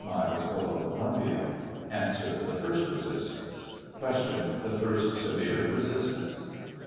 miles below Columbia ? A. The first resistance. Q. The first severe resistance